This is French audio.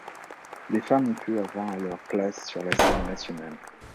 Les femmes ont pu avoir leur place sur la scène nationale.